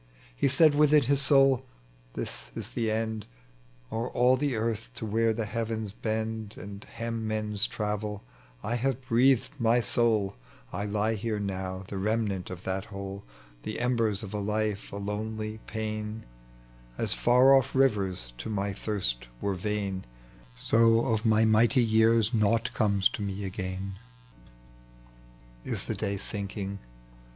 He said within his soul, " This is the end : O'er all the earth to where tbe heavens bend And hem men's travel, I have breathed my soul : I lie here now the remnant of that whole. .tec bv Google S» THE LEGEND OF JUBAL. The emtiers of a life, a londy pain ; As far off rivers to my tiiirat were Tain, So of my mighty years nought comes to me again. " Is the day sinking?